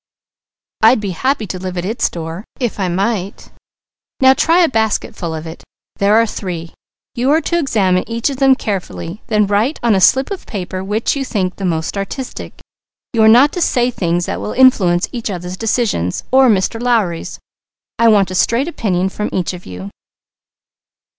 I'd be happy to live at its door. Now try a basket full of it. There are three. You are to examine each of them carefully, then write on a slip of paper which you think the most artistic. You are not to say things that will influence each other's decisions, or Mr. Lowry's. I want a straight opinion from each of you."